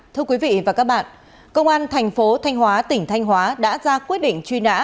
thưa quý vị và các bạn công an thành phố thanh hóa tỉnh thanh hóa đã ra quyết định truy nã